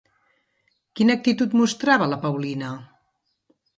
Quina actitud mostrava la Paulina?